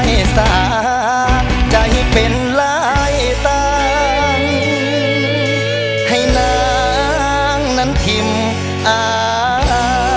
เมื่อท้อนเบาไว้กับคนละทางใจเป็นรายต่างให้นางนั้นพิมอายสา